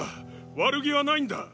悪気はないんだ！